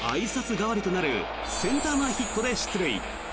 代わりとなるセンター前ヒットで出塁。